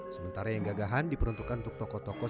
sementara yang gagahan diperuntukkan untuk tokoh tokoh